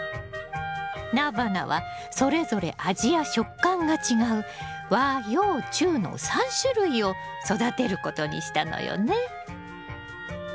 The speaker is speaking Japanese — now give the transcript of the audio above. ナバナはそれぞれ味や食感が違う和洋中の３種類を育てることにしたのよね。